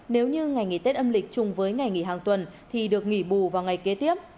nếu như ngày nghỉ tết âm lịch chung với ngày nghỉ hàng tuần thì được nghỉ bù vào ngày kế tiếp